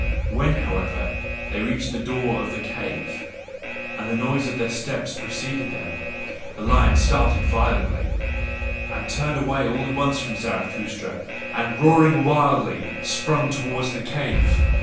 When, however, they reached the door of the cave and the noise of their steps had preceded them, the lion started violently; it turned away all at once from Zarathustra, and roaring wildly, sprang towards the cave.